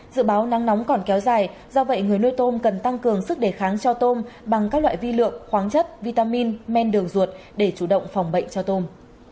dự báo nắng nóng còn kéo dài do vậy người nuôi tôm cần tăng cường sức đề kháng cho tôm bằng các loại vi lượng khoáng chất vitamin men đường ruột để chủ động phòng bệnh cho tôm